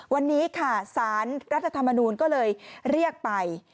วันนี้ค่ะสารรัฐธรรมนูลก็เลยเรียกไป